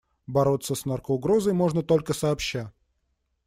Бороться с наркоугрозой можно только сообща.